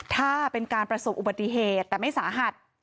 ถ้าเป็นการประสบอุบัติเหตุแต่ไม่สาหัส